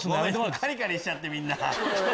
カリカリしちゃってみんな。